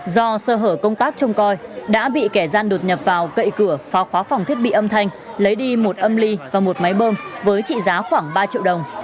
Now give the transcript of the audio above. do sơ hở công tác trông coi đã bị kẻ gian đột nhập vào cậy cửa phá khóa phòng thiết bị âm thanh lấy đi một âm ly và một máy bơm với trị giá khoảng ba triệu đồng